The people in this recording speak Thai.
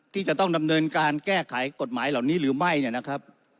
ที่จะต้องดำเนินการแก้ไขกฎหมายเหล่านี้หรือไม่เนี่ยนะครับ